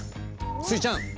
スイちゃん